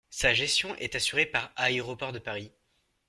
Sa gestion est assurée par Aéroports de Paris.